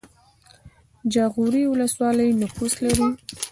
جاغوری ولسوالۍ نفوس لري؟